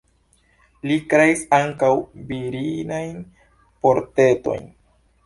Li kreis ankaŭ virinajn portretojn.